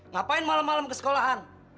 ngapain malam malam kesekolahan